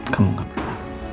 kamu gak boleh